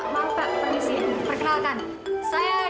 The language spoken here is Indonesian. mulai bakal indah